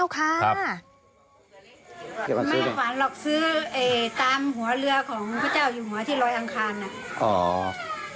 ไม่ฝันหรอกซื้อตามหัวเรือของพระเจ้าอยู่หัวที่ลอยอังคารน่ะ